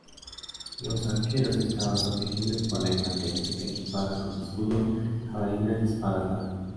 Los arqueros estaban protegidos por la infantería, equipada con escudos, jabalinas y espadas largas.